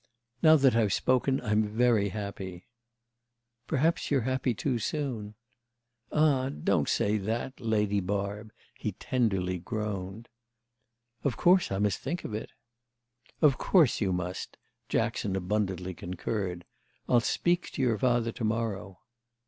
"Now that I've spoken I'm very happy." "Perhaps you're happy too soon." "Ah, don't say that, Lady Barb," he tenderly groaned. "Of course I must think of it." "Of course you must!" Jackson abundantly concurred. "I'll speak to your father to morrow."